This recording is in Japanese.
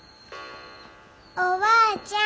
おばあちゃん。